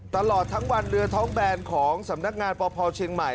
ตลอดทั้งวันเรือท้องแบนของสำนักงานปพเชียงใหม่